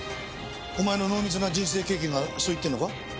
お前の濃密な人生経験がそう言ってるのか？